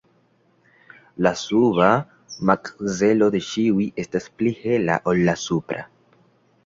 La suba makzelo de ĉiuj estas pli hela ol la supra.